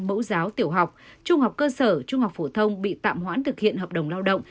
mẫu giáo tiểu học trung học cơ sở trung học phổ thông bị tạm hoãn thực hiện hợp đồng lao động